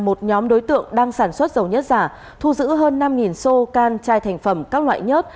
một nhóm đối tượng đang sản xuất dầu nhất giả thu giữ hơn năm xô can chai thành phẩm các loại nhớt